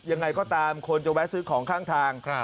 ยังไงก็ตามคนจะแวะซื้อของข้างทาง